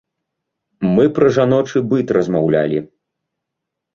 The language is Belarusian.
Мы пра жаночы быт размаўлялі.